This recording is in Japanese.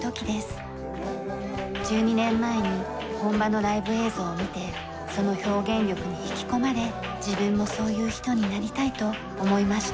１２年前に本場のライブ映像を見てその表現力に引き込まれ自分もそういう人になりたいと思いました。